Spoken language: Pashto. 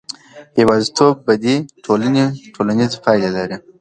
یوازیتوب بدې ټولنیزې پایلې لري.